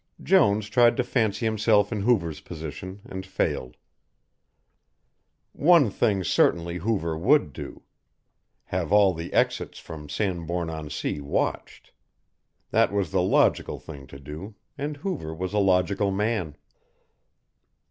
Jones tried to fancy himself in Hoover's position and failed. One thing certainly Hoover would do. Have all the exits from Sandbourne on Sea watched. That was the logical thing to do, and Hoover was a logical man.